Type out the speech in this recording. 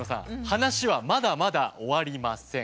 話はまだまだ終わりません。